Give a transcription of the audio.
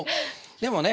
でもね